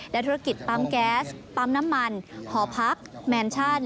และธุรกิจปั๊มแก๊สปั๊มน้ำมันหอพักแมนชั่น